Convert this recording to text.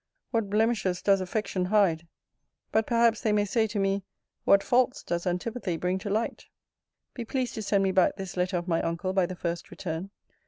What blemishes dies affection hide! But perhaps they may say to me, What faults does antipathy bring to light! Be pleased to send me back this letter of my uncle by the first return.